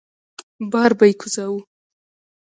بار به يې کوزاوه.